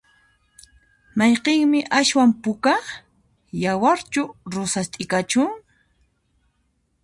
Mayqinmi aswan puka? yawarchu rosas t'ikachu?